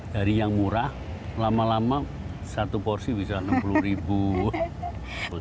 dari yang murah lama lama satu porsi bisa rp enam puluh ribu